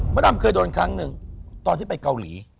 ดำเคยโดนครั้งหนึ่งตอนที่ไปเกาหลี